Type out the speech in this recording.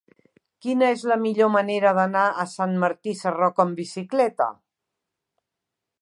Quina és la millor manera d'anar a Sant Martí Sarroca amb bicicleta?